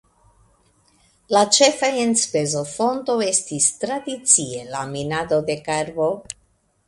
La ĉefa enspezofonto estis tradicie la minado de karbo.